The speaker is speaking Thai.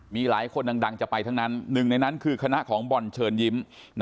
มีหลายคนดังจะไปทั้งนั้นหนึ่งในนั้นคือคณะของบอลเชิญยิ้ม